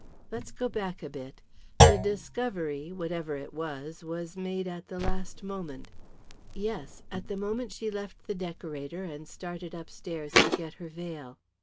"Let's go back a bit. The discovery whatever it was was made at the last moment." "Yes at the moment she left the decorator and started upstairs to get her veil."